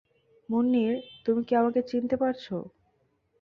মুনির, তুমি কি আমাকে চিনতে পারছ?